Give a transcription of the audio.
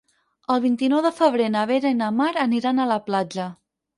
El vint-i-nou de febrer na Vera i na Mar aniran a la platja.